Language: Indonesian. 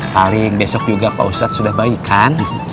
paling besok juga pak ustadz sudah baik kan